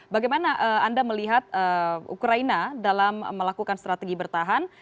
bagaimana anda melihat ukraina dalam melakukan strategi bertahan